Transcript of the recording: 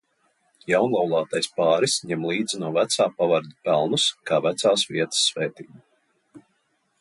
Jaunlaulātais pāris ņem līdzi no vecā pavarda pelnus kā vecās vietas svētību.